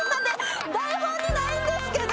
台本にないんですけど。